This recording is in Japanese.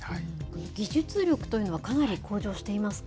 技術力というのは、かなり向上していますか。